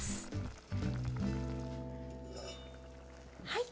はい。